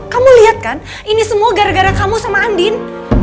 kamu lihat kan ini semua gara gara kamu sama andin